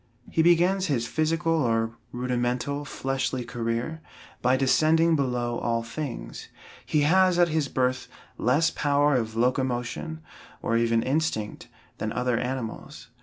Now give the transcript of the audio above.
He begins his physical, or rudimental, fleshly career by descending below all things. He has at his birth less power of locomotion, or even instinct, than other animals.